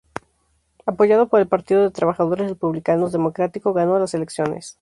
Apoyado por el partido de Trabajadores Republicano-democrático, ganó las elecciones.